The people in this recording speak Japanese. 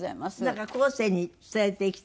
なんか後世に伝えていきたいんです？